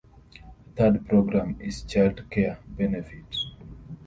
The third programme is Child Care Benefit.